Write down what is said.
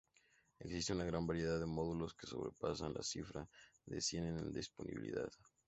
Existe una gran variedad de módulos que sobrepasan la cifra de cien en disponibilidad.